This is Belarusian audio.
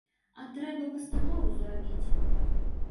А трэба пастанову зрабіць.